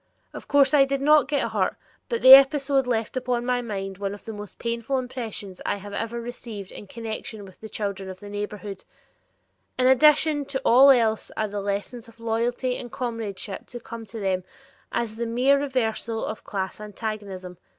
Of course I did not get hurt, but the episode left upon my mind one of the most painful impressions I have ever received in connection with the children of the neighborhood. In addition to all else are the lessons of loyalty and comradeship to come to them as the mere reversals of class antagonism?